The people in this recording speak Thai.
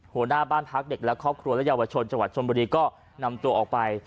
หัวหน้าบ้านพักเด็กและครอบครัวและเยาวชนจังหวัดชนบุรีก็นำตัวออกไป